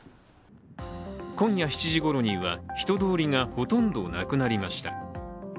今夜７時ごろには人通りがほとんどなくなりました。